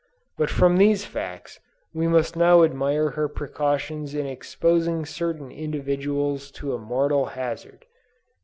But from these facts we must now admire her precautions in exposing certain individuals to a mortal hazard.'"